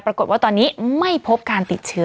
ปรากฏว่าตอนนี้ไม่พบการติดเชื้อ